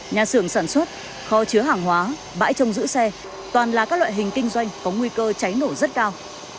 nhà xưởng sản xuất kho chứa hàng hóa bãi trông giữ xe toàn là các loại hình kinh doanh có nguy cơ cháy nổ rất cao